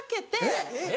えっ？